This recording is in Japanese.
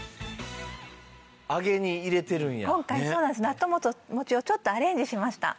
納豆餅をちょっとアレンジしました。